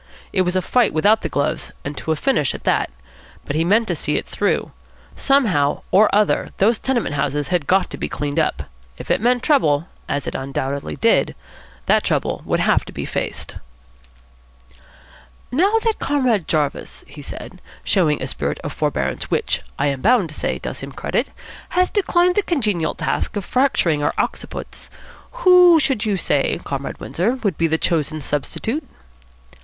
It was a fight without the gloves, and to a finish at that. But he meant to see it through. Somehow or other those tenement houses had got to be cleaned up. If it meant trouble, as it undoubtedly did, that trouble would have to be faced. "Now that Comrade Jarvis," he said, "showing a spirit of forbearance which, I am bound to say, does him credit, has declined the congenial task of fracturing our occiputs, who should you say, Comrade Windsor, would be the chosen substitute?"